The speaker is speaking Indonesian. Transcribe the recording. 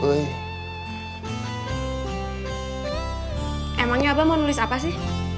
emangnya abah mau nulis apa sih